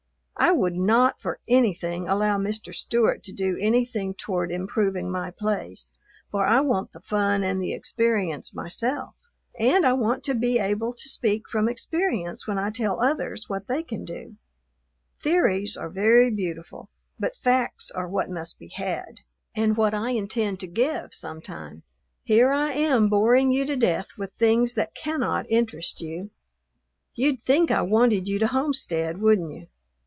I would not, for anything, allow Mr. Stewart to do anything toward improving my place, for I want the fun and the experience myself. And I want to be able to speak from experience when I tell others what they can do. Theories are very beautiful, but facts are what must be had, and what I intend to give some time. Here I am boring you to death with things that cannot interest you! You'd think I wanted you to homestead, wouldn't you?